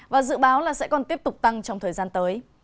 và dự báo là sẽ còn tiếp tục tăng trong thời gian tới